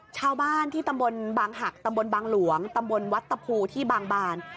ชาวบ้านที่ตำบลบางหักตำบลบางหลวงตำบลวัดตะภูที่บางบาน